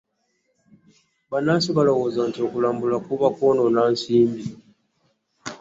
bannansi balowooza nti okulambula kuba kwonoona nsimbi.